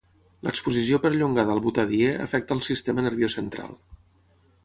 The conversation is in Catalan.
L'exposició perllongada al butadiè afecta el sistema nerviós central.